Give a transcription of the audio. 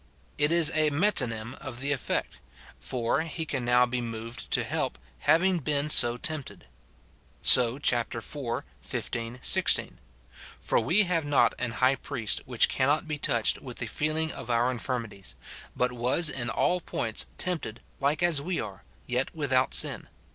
It is a metonymy of the effect ; for, he can now be moved to help, having been so tempted. So chap. iv. 15, 16 :" For we have not an high priest which cannot be touched with the feeling of our infirmities ; but was in all points tempted like as we are, yet without sin.